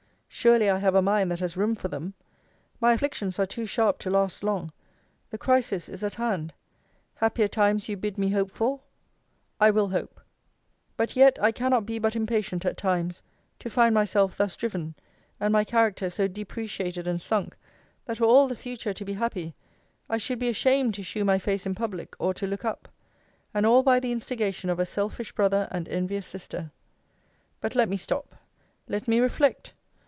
Surely I have a mind that has room for them. My afflictions are too sharp to last long. The crisis is at hand. Happier times you bid me hope for. I will hope. But yet, I cannot be but impatient at times, to find myself thus driven, and my character so depreciated and sunk, that were all the future to be happy, I should be ashamed to shew my face in public, or to look up. And all by the instigation of a selfish brother, and envious sister But let me stop: let me reflect!